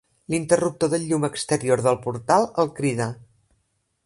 L'interruptor del llum exterior del portal el crida.